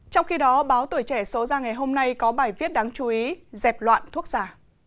trong khi đó báo tuổi trẻ số ra ngày hôm nay có bài viết đáng chú ý dẹp loạn thuốc giả